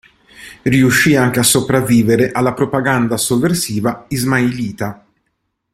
Riuscì anche a sopravvivere alla propaganda sovversiva ismailita.